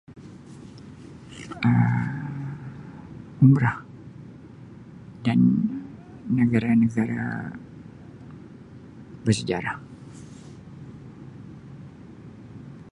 Um Umrah dan Um negara-negara bersejarah.